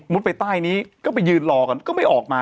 ไปใต้นี้ก็ไปยืนรอกันก็ไม่ออกมา